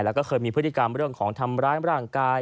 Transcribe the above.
แล้วก็เคยมีพฤติกรรมเรื่องของทำร้ายร่างกาย